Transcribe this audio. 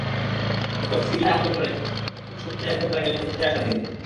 পরে সিলিয়ার আমন্ত্রণে সাংহাইয়ের জনপ্রিয় সবুজ চায়ের দোকানে গেলাম চায়ের স্বাদ নিতে।